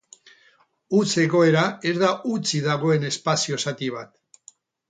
Huts-egoera ez da hutsik dagoen espazio-zati bat.